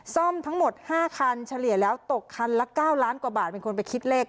ซ่อมทั้งหมด๕คันเฉลี่ยแล้วตกคันละ๙ล้านกว่าบาทเป็นคนไปคิดเลข